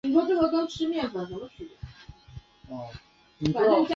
萤幕上白色游标闪烁刺眼